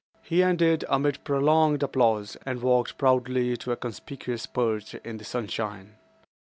He ended amid prolonged applause, and walked proudly to a conspicuous perch in the sunshine.